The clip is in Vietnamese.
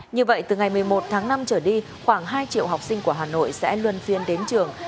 như vậy từ ngày một mươi một tháng năm trở đi khoảng hai triệu học sinh của hà nội sẽ luân phiên đến trường